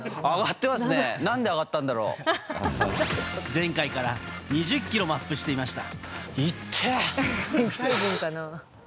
前回から２０ｋｇもアップしていました。